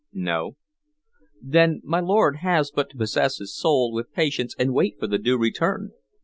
"No." "Then my lord has but to possess his soul with patience and wait for the Due Return.